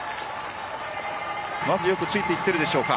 まずよくついていってるでしょうか。